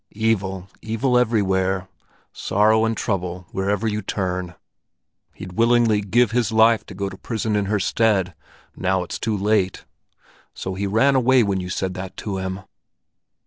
"Evil, evil everywhere; sorrow and trouble wherever you turn! He'd willingly give his life to go to prison in her stead, now it's too late! So he ran away when you said that to him?